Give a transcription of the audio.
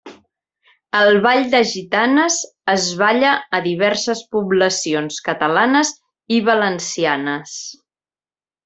El Ball de Gitanes es balla a diverses poblacions catalanes i valencianes.